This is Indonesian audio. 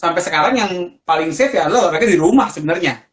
sampai sekarang yang paling safe adalah mereka di rumah sebenarnya